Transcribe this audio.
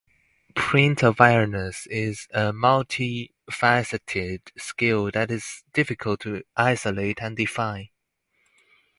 Print awareness is a multi-faceted skill that is difficult to isolate and define.